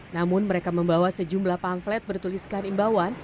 namun mereka membawa sejumlah pamflet bertuliskan imbauan